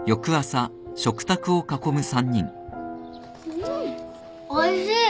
うんおいしい。